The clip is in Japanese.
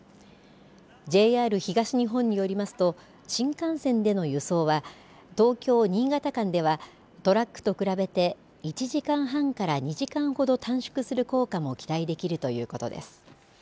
ＪＲ東日本によりますと新幹線での輸送は東京、新潟間ではトラックと比べて１時間半から２時間ほど短縮する効果も期待できるということです。